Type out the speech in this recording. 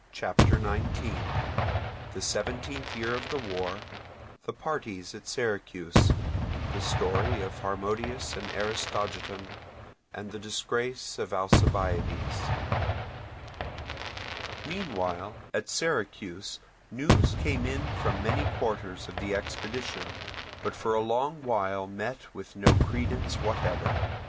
CHAPTER XIX Seventeenth Year of the War—Parties at Syracuse—Story of Harmodius and Aristogiton—Disgrace of Alcibiades Meanwhile at Syracuse news came in from many quarters of the expedition, but for a long while met with no credence whatever.